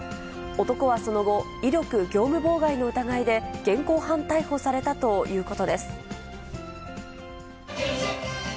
男はその後、威力業務妨害の疑いで、現行犯逮捕されたということです。